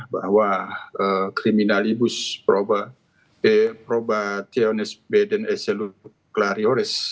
bahwa kriminalibus probationis beden eseluklarioris